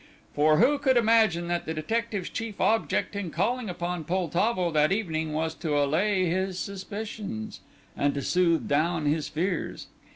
For who could imagine that the detective's chief object in calling upon Poltavo that evening was to allay his suspicions and soothe down his fears.